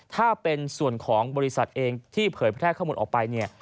ถ้าเป็นส่วนของบริษัทเองที่เผยแพร่ข้อมูลออกไปเนี่ย